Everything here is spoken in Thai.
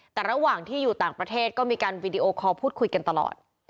แต่ระหว่างที่อยู่ต่างประเทศก็มีการวีดีโอคอลพูดคุยกันตลอด